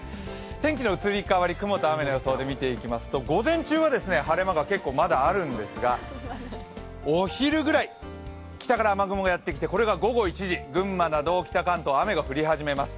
天気の移り変わり、雲と雨の予想で見ていきますと午前中は晴れ間が結構、まだあるんですが、お昼ぐらい、北から雨雲がやってきて、これが午後１時、群馬など北関東、雨が降り始めます。